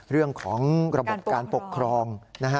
เรื่องของระบบการปกครองนะฮะ